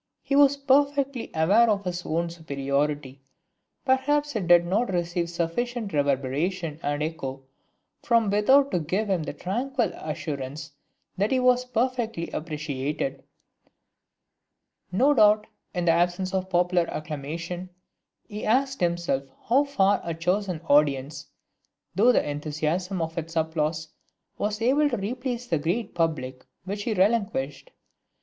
He was perfectly aware of his own superiority; perhaps it did not receive sufficient reverberation and echo from without to give him the tranquil assurance that he was perfectly appreciated. No doubt, in the absence of popular acclamation, he asked himself how far a chosen audience, through the enthusiasm of its applause, was able to replace the great public which he relinquished.